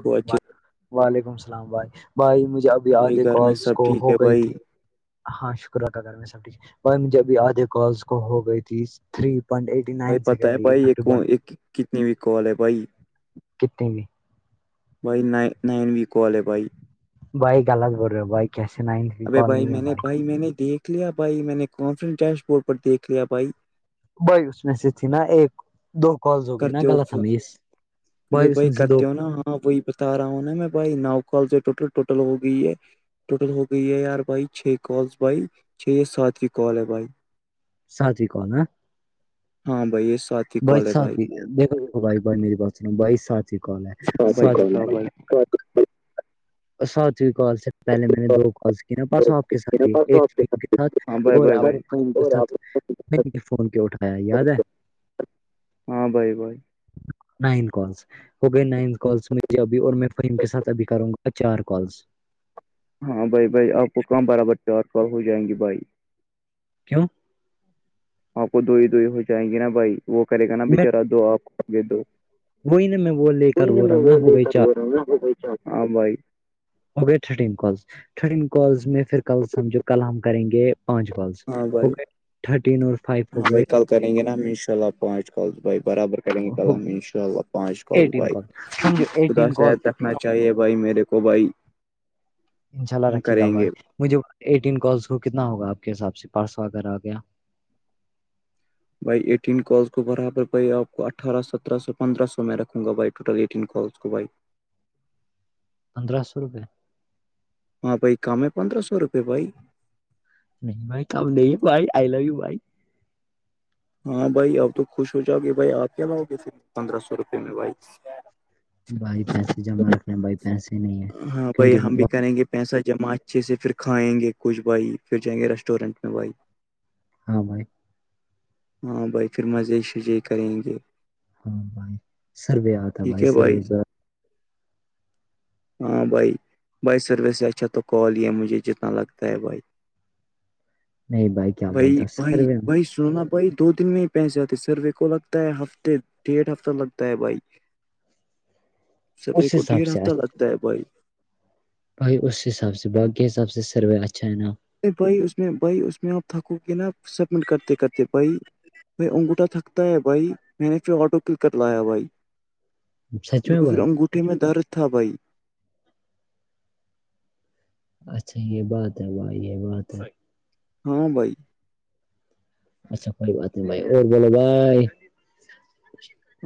کوواچے [inaudible] [unintelligible] وعلیکم السلام بھائی بھائی مجھے ابھی بھائی آدھے گھر میں کالس سب کو ٹھیک ہو ہے گئی بھائی تھی ہاں شکر کا گھر میں سب ٹھیک ہے جبھی آدھے کالس کو ہو گئی تھی تھری پوائنٹ ایٹ بھائی پت ہے بھائی ایک کتنی و کال ہے بھائی کتنے بھی [unintelligible] بھائی نائن وی کالج ہے بھائی بھائی غلط بول رہے ہو بھائی کیسے نائے ابے بھائی میں نے بھائی میں نے دیکھ لیا بھائی میں نے کانفرنس ڈیش بورڈ پر دیکھ لیا بھائی بئی اس میں سے تھی نا ایک دو کال دو گئی نا کرتے ہو غلط ہم ابھی بھائی اس میں سے دو کرتے ہو نا ہاں وہی بتا رہا ہوں نا میں بھائی ناؤ کال سے ٹوٹل ٹوٹل ہو گئی ہے ٹوٹل ہو گئی ہے یار بائی چھ کال بائی چھ یا ساتویں کال ہے بائی ساتھی کال ہاں بھائی یہ ساتویں بھائی دیکھو کال ہے سات بھائی بھائی بھائی میری بات سن بھائی سچ ہی کال ہے ہاں بھائی سچال ہے ساتویں کال سے پہلے میں نے دو کالس کی نا پرسوں آپ کے ساتھ ہی بتاؤ ایک ف بھائی کے ساتھ ہاں بھائی اور بھائی آپ نے بھائی کے ساتھ فون کے اٹھایا یاد ہے [unintelligible] ہاں بھائی بھائی نائن کالس ہو گئی نائن کالس میںجھ ابھی اور میں فم کے ساتھ ابھی کروں گا چار کالس ہاں بھائی بھائی آپ کو کہاں برابر چار پر ہو جائیں گے بھائی کیوں آپ کو دوئی دئی ہو جائیں گی نا بھائی وہ کرے گا نا میں بچارا دو آپ کو آگے دو وہی نا میں وہ لے کر کوئی بول نہیں رہا میں ہوں نا وہ ہو لے گئی کر چار بول رہا ہوں نا بھائی ہو گئے تھرٹین کالس تھرٹین کالس میں پھر ک سجھو کل ہم کریں گے پانچ کالس ہاں ہو بھائی گئے تھرٹین اور فائیو ہو ہاں بھائی گئے کل کریں گے نا ہم ان شاء اللہ پانچ کال بائی برابر ان شاء اللہ پانچ کال ایٹین بھائی سمجھو ایٹین کال جان نا چاہیے بھائی میرے کو بھائی انشاء اللہ ہم رکھیے گا کریں بھائی گے مجھے ایٹین کالس کو کتنا ہوگا آپ کے حساب سے پرارس وغیرہ ہو گیا بھائی ایٹین کالس کو برابر بھائی آپ کو اٹھارہ سترہ سو پندرہ سو میں رکھوں گا بھائی ٹوٹل ایٹین کالس کو بھائی پندرہ سو روپئے ہاں بھائی کم ہے پندرہ سو روپے بھائی نہیں بائی کم نہیں بھائی آئی لو یو بھائی ہاں بھائی اب تو خوش ہو جاؤ گے بھائی آپ کیا لاؤ گے پھر پندرہ سو روپے میں بھائی بھائی پیسے جمع رکھنے بھائی پیسے نہیں ہے ہاں بھائی کیونکہ ہم بھی وقت کریں گے پیسہ جمع اچھے سے پھر کھائیں گے کچھ بھائی پھر جائیں گے ریسٹورینٹ میں بھائی ہاں بائے ہاں بھائی پھر مزے شزی کریں گے ہاں بھائی سروے آتا ٹھیک بھائی ہے سروے ز [unintelligible] ہاں بھائی بھائی سروس ہے اچھا تو کال یہ ہے مجھے جتنا لگتا ہے بھائی [unintelligible] نہیں کیا بھائی بولتا بھائی سروے میں بائی سونا [unintelligible] بھائی دو دن میں ہی پیسے آتے سروے کو لگتا ہے ہفتے ڈھ ہفتہ لگتا ہے بھائی [inaudible] سروے اس کو حساب ڈیڑھ سے ہفتہ آج لگتا ہے بھائی بھائی اس حساب سے باقی حساب سے سروے اچھا ہے نا ا بھائی اس میں بھائی اس میں آپ تھکو کے نا سبمٹ کرتے کرتے بھائی بھائی انگوھا تھکتا ہے بھائی میں نے پھر آٹو کک کر لایا بھائی سچ میں بالک پھر بھائی انگوٹھے میں درد تھا بھائی اچھا یہ بات ہے بھائی یہ بات ہے ہاں بھائی اچھا کوئی بات نہیں بھائی اور بولو بھائی [inaudible]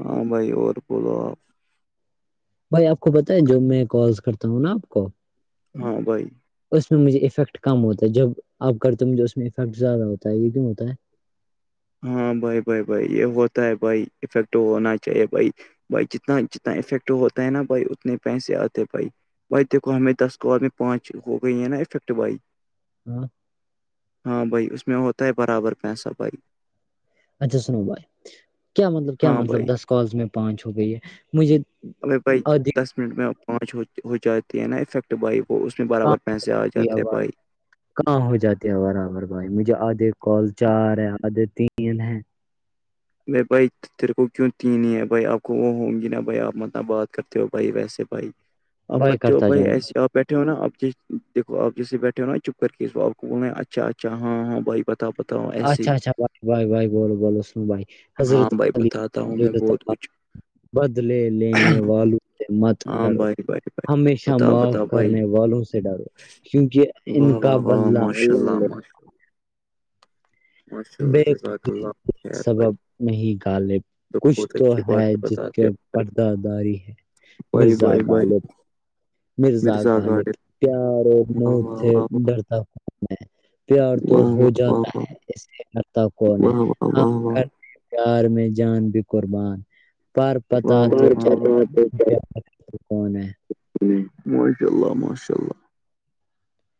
ہاں بھائی اور بولو آپ بھائی آپ کو پت ہے جو میں کالس کرتا ہوں نا آپ کو ہاں بھائی اس میں مجھے افیکٹ کم ہوتا ہے جب آپ کرتے ہو مجھے اس میں افیکٹ زیادہ ہوتا ہے یہ کیوں ہوتا ہے [unintelligible] ہاں بھائی بھائی بھائی یہ ہوتا ہے بھائی افیکٹ ہونا چاہیے بھائی [unintelligible] بھائی جتنا جتنا افیکٹ ہوتا ہے نا بھائی اتنے پیسے آتے بھائی بھائی دیکھو ہمیں دس کو آدمی پانچ ہو گئی ہیں نا افیکٹ بھائی [unintelligible] ہ [inaudible] ہاں بھائی اس میں ہوتا ہے برابر پیسہ بھائی اچھا سنو بائے کیا مطلب کیا ہاں مطلب بھائی دس کالس میں پانچ ہو گئی ہے مجھے ا بھائی ادھی دس منٹ میں پانچ ہو جاتی ہے نا افیکٹ بھائی وہ اس میں کہاں برابر پیسے آ کی جاتے ہیں آواز بھائی کہاں ہو جاتے ہے برابر بھائی مجھے آدھے کال چار ہے آدھے تین ہے ب بئیت تیر کو کیوں تین ہے بھائی آپ کو وہ ہوں گی نا بھائی آپ مطلب بات کرتے ہو بھائی ویسے بھائی آپ کرتے ہو کرتا بھائی جاؤں ایسے آ بیٹھے ہو نا آپ دیکو آپ جسے بیٹھے ہو نا چپ کر کے اسپ کو بولنا ہے اچھا اچھا ہاں ہاں بھائی ب تتا پتا ہوں ہاں بھائی بتاتا ہوں میں بہت کچھ [unintelligible] بدل لینے والال مت ہاں ڈرو بھائی بھائی بھائی ہمیشہ بتاؤ معاف بتاؤ بھائی کرنے والوں سے ڈرو کیونکہ ان واہ کا واہ واہ بدلہ ماشا اللہ ماشاء ال ماشاء اللہ جزاک اللہ خیر و بھائی نہیں گالے کچھ بہت تو اچھی ہے بات جس کے بتاتے ہو پردہ داری ہے بھائی مرزا بھائی بھائی غالب مرزا غالب پیار و واہ مج واہ سے واہ ڈرتا میں [unintelligible] پیار تو واہ ہو واہ واہ جاتا واہ ہے ایے کرتا کون ہے واہ واہ واہ واہ ہاں واہ واہ کر پیار میں جان بھی قربان پر پتا تو واہ واہ واہ چلے واہ، کون ہے ماشاء اللہ ماشاء اللہ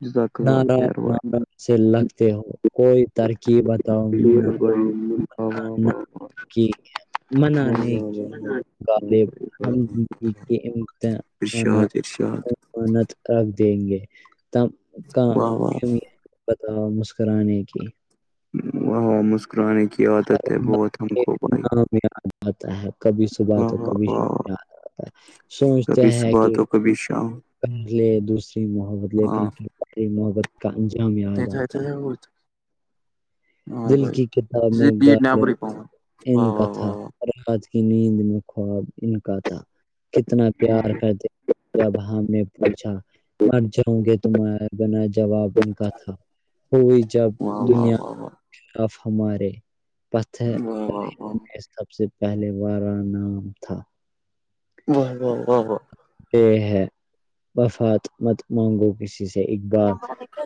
جزاک ن اللہ ر خیر ن بھائی سے لگتے ہو کوئی ترکیب بتاؤ منا ا [inaudible] ج [inaudible] ہ ج ج غالب ہم کے ارشاد ارشاد منت رکھ دیں گے واہ واہ پتا مسکرانے کی وہاں مسکرانے کی عادت ہے بہت ہم ایک کو بھائی نام یاد آتا ہے کبھی صبح واہ تو واہ کبھی ش واہ واہ سوچتے کبھی ہیں صبح کہ تو کبھی شام پ لے دوسری محبت لیکن ہاں پھر محبت کا انجام یاد آتا ہے ہاں دل بھائی کی کتاب میںال ان واہ کا واہ واہ تھا ات کی نیند میں خواب ان کا تھا کتنا پیار کر د جب ہم نے پوچھا مر جاؤں گے تمہارا بنا جواب ان کا تھا ہوئی جب واہ واہ واہ واہ واہ واہ واہ واہ واہ واہ واہ واہ واہ واہ دنیا اب ہمارے پت سب سے پہلے والارا نام تھا وہ وہ وہ وہ یہ ہے وفات مت مانگو کسی سے بات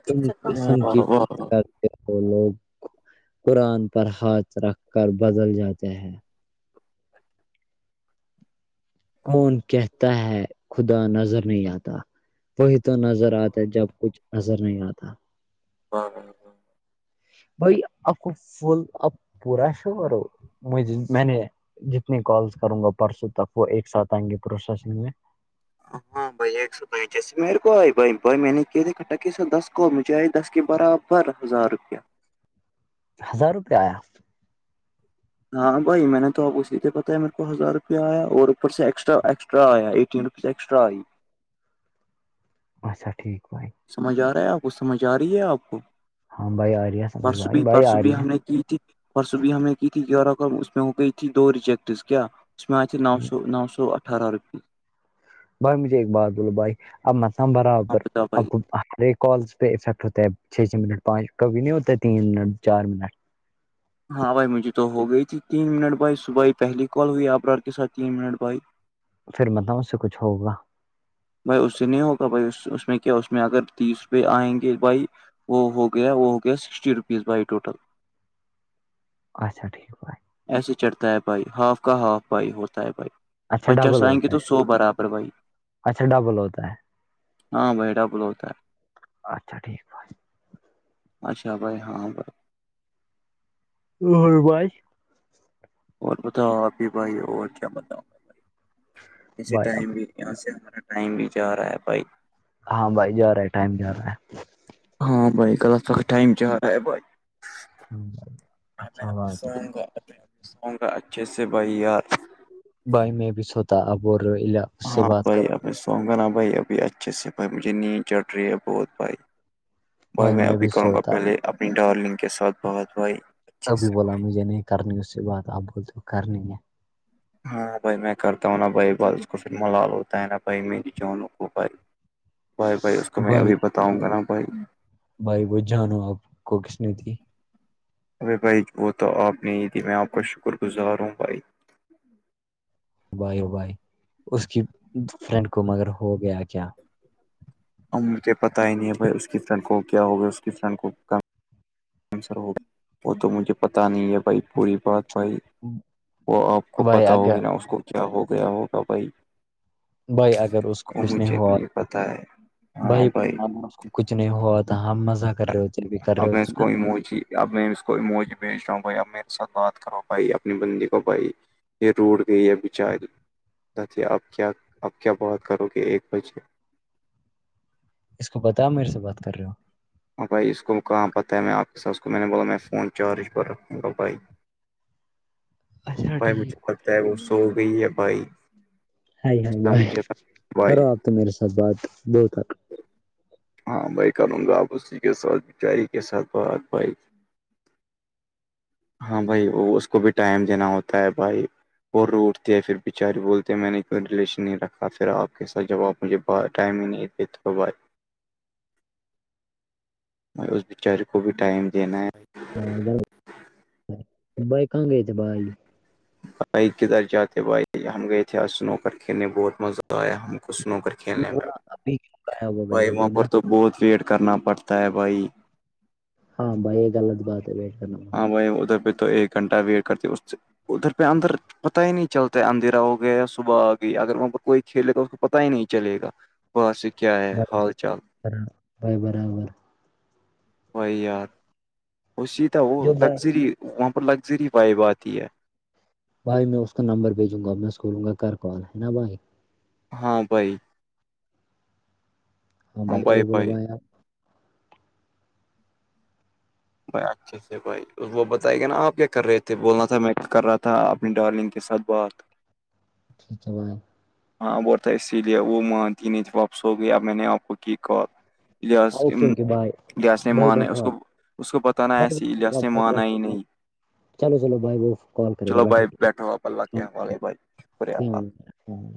تم قسم کی واہ بات واہ کر وہ لوگ قرآن پر ہاتھ رکھ کر بدل جاتے ہیں کون کہتا ہے خدا نظر نہیں آتا وہی تو نظر آتا جب کچھ نظر نہیں آتا ہاںاں بائی آخ فل آپ پورا شو کرو م میں نے جتنی کالس کروں گا پرسوں تک وہ ایک ساتھ آئیں گے پروسیسنگ میں ہ ہاں بییا جیسے مے کو بھائی بھائی میں نے کہ تھے کٹ کے سر دس کو مجھےئے دس کے برابر ہزار روپیہ ہزار روپئے آیا ہاں بھائی میں نے توپ کو اسیے پتا ہے میرے کو ہزار روپیہ آیا اور اوپر سے ایکٹا ایکسٹرا آیا ایٹین روپ ایکسٹرا آ اچھا ٹھیک بائی سمجھ آ رہا ہے آپ کو سمجھ آ رہی ہے آپ کو ہاں بھائی آ رہی ہے سمجھ پرسو بھائی بھی بھائی پرس آ بھی رہی ہے ہم نے کی تھی پرسب بھی ہمیں کی تھی گی اس میں ہو گئی تھی دو ریجیکٹس کیا س میں آ تھر نو سو نو سو اٹھارہ روپیئے بھائی مجھے ایک بات بولو بھائی اب مس ہاں برابر بتاؤ اب بھائی کو ہر کالز پ افیکٹ ہوتا ہے چ چھ منٹ پانچ تین منٹ چار منٹ ہاں بھائی مجھے تو ہو گئی تھی تین منٹ بھائی صبحائی پہلی کال ہوئی آبرار کے سھ تین منٹ بھائی پھر مطلب اس سے کچھ ہوگا بھائی اس سے نہیں ہوگا بھائی اس میں کیا اس میں اگر تیس پہ آئیں گے بھائی وہ ہو گیا وہ ہو گیا سکسٹی روپیز بھائی ٹوٹل اچا ٹھیک باائے ایسے چڑھتا ہے بھائی ہاف کا ہاف بھائی ہوتا ہے بھائی اچھا پچاس ڈبل آئیں گے ہوتا تو ہے سو برابر بھائی اچھا ڈبل ہوتا ہے ہاں بہرا بل ہوتا ہے اچھا ٹھیک پ اچھا بھائی ہاں بائی ار بائی اور بتاؤ ابھی بھائی اور کیا بتاؤں بھ ایے بھائی ٹائم اب بھی یہاں سے ہمارا ٹائم بھی جا رہا ہے بھائی ہاں بھائی جا رہا ہے ٹائم جا رہا ہے ہاں بھائی کل تک ٹائم چا ہے بھائی ہاں بھائی، میں اچھا ابھی بات ہے سوؤ گاب سوؤوں گا اچھے سے بھائی یار بائی میں بھی سوتاا اب اس سے ہاں بات بھائی کرو اب میں سوؤوں گا نا بھائی ابھی اچھے سے بھائی مجھے نیند چڑ رہی ہے بہت بھائی بائی بھائی میں ابھی بھی کہوں گا سوتا پہلے اپنی ڈارلنگ کے ساتھ بہت بھائی ابھی سے بولا بھائی مجھے نہیں کرنی اس سے بات آپ بولتے ہو کرنی ہے ہاں بھائی میں کرتا ہوں نا بھائی ب اس کو پھر ملال ہوتا ہے نا بھائی میری جوانوں کو بھائی بھائی بھائی اس کو میں ابھی بتاؤں گا نا بھائی بھائی ب جان آپ کو کسنی ت ارے بھائی وہ تو آپ نے ہی تھی میں آپ کا شکر گزار ہوں بھائی بائی بائی اس کی فرینڈ کو مگر ہو گیا کیا ا مجھے پتا ہی نہیں ہے بھائی اس کی فرینڈ کو کیا ہوگیا اس کی فرینڈ کو کم ر وہ تو مجھے پتا نہیں ہے بھائی پوری بات بھائی وہ آپ کو بھائی پتہ اگر ہوگی ن اس کو کیا ہو گیا ہوگا بھائی بائی اگر اس کو وہ کچھ نہیں مجھے ہوا پتا ہے ب ہاں بھائی کچھ نہیں ہوا تھا ہم مزہ کر رہے ہو چل بھی کر رہے اب ہوتے ایس نا کوئی موجی اب میں اس کو موج بھیج رہا ہوں بھائی اب میرے ساتھ بات کرو بھائی اپنی بندی کو بھائی یہ روڑ گئی ہے بچاری اب کیا اب کیا بات کرو گے ایک بجے اس کو بتا میرے سے بات کر رہے ہو ہاں بھائی اس کو کہاں پتہ ہے میں آپ کے س اس کو میں نے بولا میں فون چارج پر رکھوں گا بھائی اچھا بھائی مجھے ٹھیک لگتا ہے وہ سو گئی یا بھائی ہائے ہائے اتنا بھائے مجھے بھائی کرو آپ تو میرے ساتھ بات بہت آ ہاں بھائی کر واپس کے کے ساتھ بچاراری ا کے کے ساتھ بات بائی ہاں بھائی وہ اس کو بھی ٹائم دینا ہوتا ہے بھائی وہ ر اٹتے ہیں پھر بچارے بولتے ہیں میں نے کوئی ریلیشن نہیں رکھا پھر آپ کے ساتھ جب آپ مجھے ب ٹائم ہی نہیں یہت ہو بات اس بچار کو بھی ٹائم دینا ہے ہے۔ ادھر بھائی کاں گ تھ بھائی [inaudible] بائک کدھر جاتے بھائی ہم گئے تھے آج سنوکر کھیلنے میں بہت مزہ آیا ہم کو سنوکر کھیلنے میں بولا ابھی کیوں غائب ہو گئے بھائی وہاں ابھی پر نا تو بہت ویٹ کرنا پڑتا ہے بھائی ہاں بھائی یہ غلط بات ہے ویٹ کرنا بائی ادھر پہ تو ایک گھنٹہ ویٹ کرتی ادھر پہ اندر پت ہی نہیں چلتا ہے اندھیرا ہو گیا یا صبح آ گئی اگر وہاں پ پر کوئی کھیلے گا تو اس کو پتا ہی نہیں چلے گا وہاں سے کیا ہے بھائی حال چال برابر بھائی برابر بائی یار اس سیدھا وہ جو بھائی لگژری وہاں پر لگژری وائب آتی ہے بھائی میں اس کا نمبر بھیجوں گا میں سولوں گا گ کون ہے نا بھائی ہاں بھائی ہاں بھائی اور بولو بھائیار بچھ ے بھائی وہ بتائے گا نا آپ کیا کر رہے تھے بولنا تھا میں کر رہا تھا اپنی ڈارلنگ کے ساتھ بات ٹھیک ہے بھائی ہاں بولتا ہے اسی لیے وہ م د نہیں واپس ہو گیا میں نے آپ کو کی کہا لحظ اوکے اوکے بھائی لہاظ نے بھائی مانا ہے اس بیٹھو کو آپ اس کو پت نہا بھائی وہ ایسے ہی کرے لحاظ گا، نے بھائی مانا ہی بیٹھو آپ، نہیں چلو چلو بھائی وہ کال کرے گا چلو بھائی السلام بیٹھو آپ اللہ کے ہمے بھائی شکریہ اللہ علیکم۔